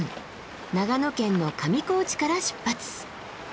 長野県の上高地から出発。